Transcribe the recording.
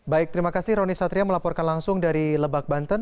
baik terima kasih roni satria melaporkan langsung dari lebak banten